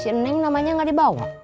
si eneng namanya tidak dibawa